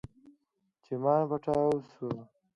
چې ماين پټاو سو.